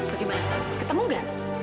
bagaimana ketemu gak